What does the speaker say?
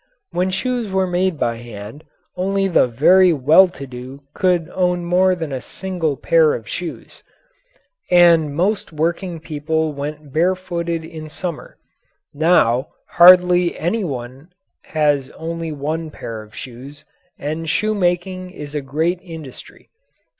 When shoes were made by hand, only the very well to do could own more than a single pair of shoes, and most working people went barefooted in summer. Now, hardly any one has only one pair of shoes, and shoe making is a great industry.